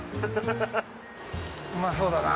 うまそうだな